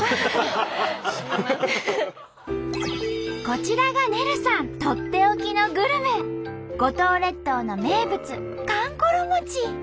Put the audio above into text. こちらがねるさんとっておきのグルメ五島列島の名物